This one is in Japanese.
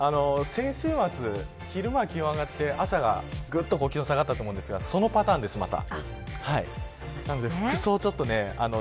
先週末昼間は気温が上がって、朝は気温が下がったと思うんですがそのパターンです、また。